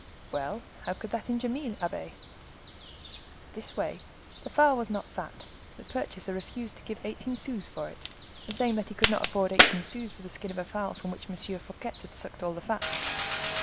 "Well, how could that injure me, abbe?" "This way. The fowl was not fat. The purchaser refused to give eighteen sous for it, saying that he could not afford eighteen sous for the skin of a fowl from which M. Fouquet had sucked all the fat."